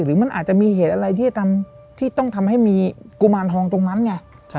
หรือมันอาจจะมีเหตุอะไรที่ต้องทำให้มีกุมารทองตรงนั้นไง